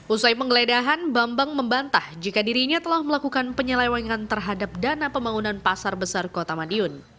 usai penggeledahan bambang membantah jika dirinya telah melakukan penyelewengan terhadap dana pembangunan pasar besar kota madiun